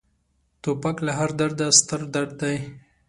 توپک له هر درده ستر درد دی.